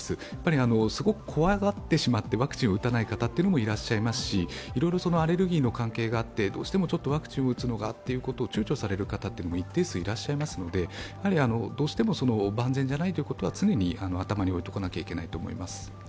怖がってしまってワクチンを打たない方もいらっしゃいますしアレルギーの関係があってもどうしてもワクチンを打つのをちゅうちょされる方も一定数いらっしゃいますのでどうしても、万全じゃないということは常に頭においておかないといけないと思います。